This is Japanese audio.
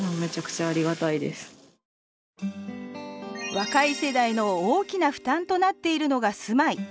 若い世代の大きな負担となっているのが住まい。